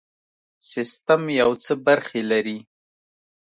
سیستم یو څو برخې لري.